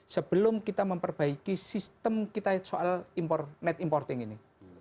sebelum kita memperbaiki sistem kita soal net importing ini